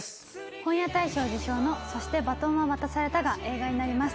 本屋大賞受賞の『そして、バトンは渡された』が映画になります！